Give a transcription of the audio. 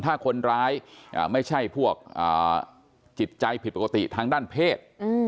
ถ้าคนร้ายไม่ใช่พวกจิตใจผิดปกติทางด้านเพศ